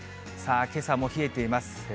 さあ、けさも冷えています。